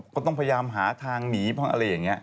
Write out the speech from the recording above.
ก็ต้องพยายามหาทางหนีบ้างอะไรอย่างนี้